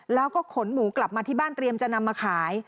แล้วก็ขนหมูกลับมาที่บ้านเตรียมจะนำมาขาย